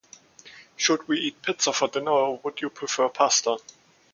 Should we eat pizza for dinner, or would you prefer pasta?